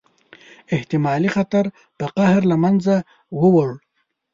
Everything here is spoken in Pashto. احتمالي خطر په قهر له منځه ووړ.